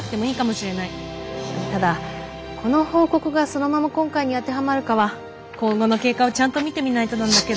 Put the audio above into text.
ただこの報告がそのまま今回に当てはまるかは今後の経過をちゃんと見てみないとなんだけど。